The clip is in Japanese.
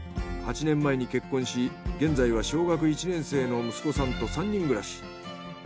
８年前に結婚し現在は小学１年生の息子さんと３人暮らし。